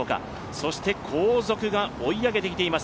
そして後続が追い上げてきています